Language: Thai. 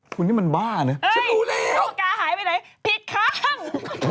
คุณนี่มันบ้าเนอะฉันรู้แล้วเฮ้ยโอกาสหายไปไหน